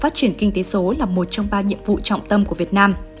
phát triển kinh tế số là một trong ba nhiệm vụ trọng tâm của việt nam